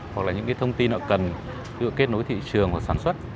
hoặc là những thông tin họ cần kết nối với thị trường hoặc sản xuất